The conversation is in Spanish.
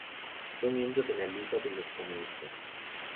Fue miembro de la Liga de los Comunistas.